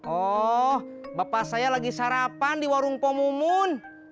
oh bapak saya lagi sarapan di warung komumun